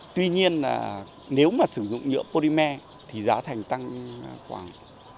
tuy nhiên nếu sử dụng nhựa polymer thì giá thành tăng khoảng một trăm năm mươi